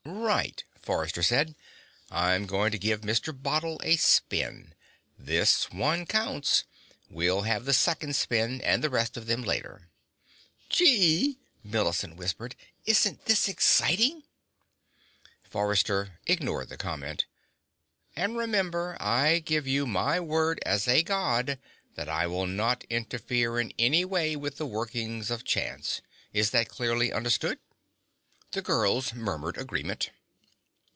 "Right," Forrester said. "I'm going to give Mr. Bottle a spin. This one counts. We'll have the second spin, and the rest of them, later." "Gee!" Millicent whispered. "Isn't this exciting?" Forrester ignored the comment. "And remember, I give you my word as a God that I will not interfere in any way with the workings of chance. Is that clearly understood?" The girls murmured agreement.